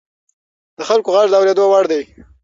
د خلکو غږ د اورېدو وړ دی